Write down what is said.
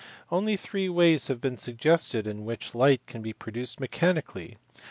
Only three ways have been suggested in which light can be produced mechanically.